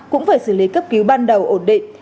cũng phải xử lý cấp cứu ban đầu ổn định